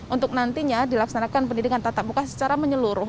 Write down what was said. untuk nantinya dilaksanakan pendidikan tatap muka secara menyeluruh